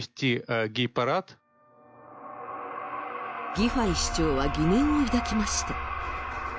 ギファイ市長は疑念を抱きました。